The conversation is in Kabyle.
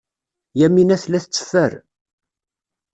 Yamina tella tetteffer.